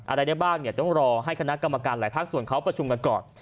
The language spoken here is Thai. อะไรได้บ้างเนี่ยต้องรอให้คณะกรรมการหลายภาคส่วนเขาประชุมกันก่อน